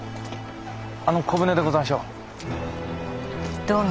あの小舟でござんしょう？